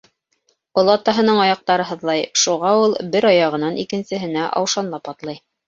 Олатаһының аяҡтары һыҙлай, шуға ул бер аяғынан икенсеһенә аушанлап атлай.